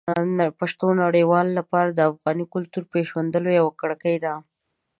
پښتو د نړیوالو لپاره د افغان کلتور پېژندلو یوه کړکۍ ده.